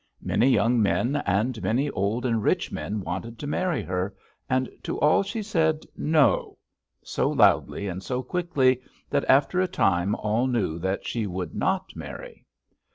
Many young men and many old and rich men wanted to marry her, and to all she said 'No!' so loudly, and so quickly, that after a time all knew that she would not marry.